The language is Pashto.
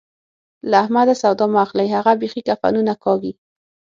له احمده سودا مه اخلئ؛ هغه بېخي کفنونه کاږي.